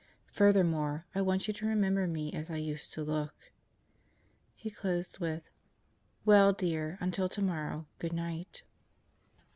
Furthermore, I want you to remember me as I used to look." He closed with: "Well, Dear, until tomorrow, good night."